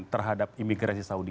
terhadap imigresi saudi